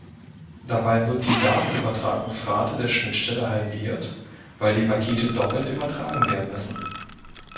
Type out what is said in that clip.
Dabei wird die Datenübertragungsrate der Schnittstelle halbiert, weil die Pakete doppelt übertragen werden müssen.